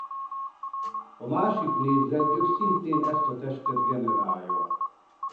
A másik négyzetgyök szintén ezt a testet generálja.